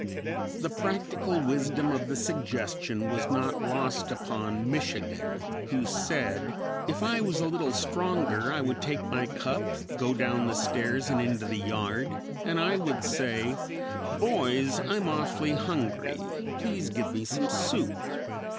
The practical wisdom of the suggestion was not lost upon "Michigan," who said, "If I was a little stronger I would take my cup, go down the stairs and into the yard and I would say, 'Boys, I'm awfully hungry; please give me some soup.'"